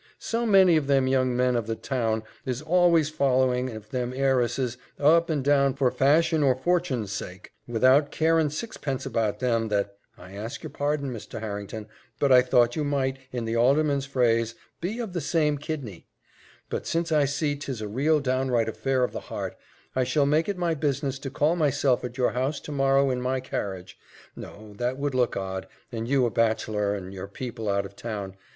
So many of them young men of the ton is always following of them heiresses up and down for fashion or fortin's sake, without caring sixpence about them, that I ask your pardon, Mr. Harrington but I thought you might, in the alderman's phrase, be of the same kidney; but since I see 'tis a real downright affair of the heart, I shall make it my business to call myself at your house to morrow in my carriage. No that would look odd, and you a bachelor, and your people out o'town.